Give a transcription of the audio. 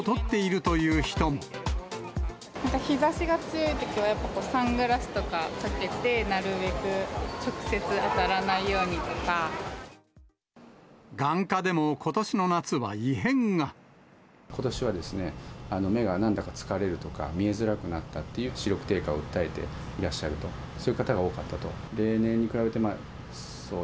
日ざしが強いときは、やっぱサングラスとかかけて、なるべく直接当たらないようにと眼科でも、ことしは、目がなんだか疲れるとか、見えづらくなったという視力低下を訴えていらっしゃると、そういう方が多かったと。